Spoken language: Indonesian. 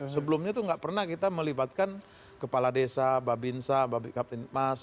sebelumnya itu tidak pernah kita melibatkan kepala desa babi insya babi kapten iqmas